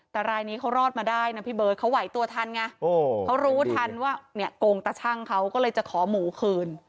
แต่รายนี้เขารอดมาได้นะพี่เบิร์ตเขาไหวตัวทันไงเขารู้ทันว่าเนี่ยโกงตะชั่งเขาก็เลยจะขอหมูคืน